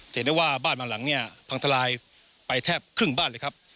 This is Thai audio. เห็นได้ว่าบ้านบางหลังเนี่ยพังทลายไปแทบครึ่งบ้านเลยครับ